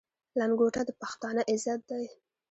لنګوټه د پښتانه عزت دی.